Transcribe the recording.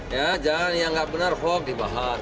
yang benar benar hok dibahas